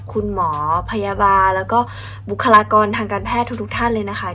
คุณหมอพยาบาลแล้วก็บุคลากรทางการแพทย์ทุกท่านเลยนะคะ